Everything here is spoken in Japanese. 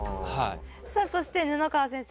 さあそして布川先生